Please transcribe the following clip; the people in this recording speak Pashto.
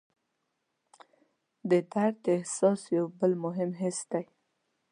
د درد احساس یو بل مهم حس دی.